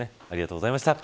ありがとうございます。